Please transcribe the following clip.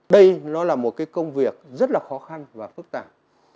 đây nó là một cái công việc rất là khó khăn và phức tạp